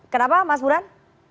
kenapa mas burhan